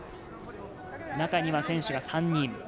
中には選手が３人。